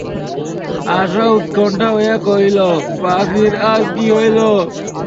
আশা উৎকণ্ঠিত হইয়া কহিল, পাখির আজ কী হইল।